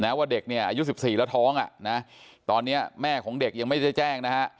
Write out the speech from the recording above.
ว่าเด็กเนี่ยอายุ๑๔แล้วท้องอ่ะนะตอนนี้แม่ของเด็กยังไม่ได้แจ้งนะฮะ